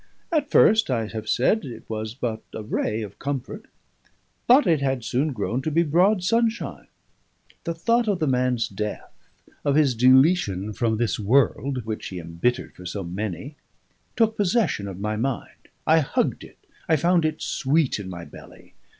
At first, I have said, it was but a ray of comfort; but it had soon grown to be broad sunshine. The thought of the man's death, of his deletion from this world, which he embittered for so many, took possession of my mind. I hugged it, I found it sweet in my belly.